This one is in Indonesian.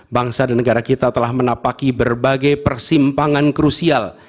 bangsa dan negara kita telah menapaki berbagai persimpangan krusial